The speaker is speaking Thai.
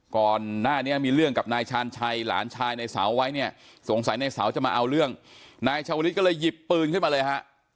ก่อนหน้านี้มีเรื่องกับนายชาญชัยหลานชายในเสาไว้เนี่ยสงสัยในเสาจะมาเอาเรื่องนายชาวลิศก็เลยหยิบปืนขึ้นมาเลยฮะ